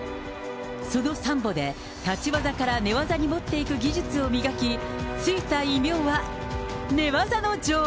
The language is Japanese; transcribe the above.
そのサンボで、立ち技から寝技に持っていく技術を磨き、付いた異名は、寝技の女王。